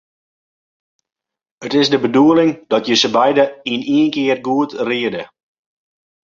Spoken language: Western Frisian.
It is de bedoeling dat je se beide yn ien kear goed riede.